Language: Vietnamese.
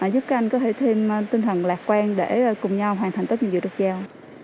giúp các anh có thể thêm tinh thần lạc quan để cùng nhau hoàn thành tất nhiên việc được giao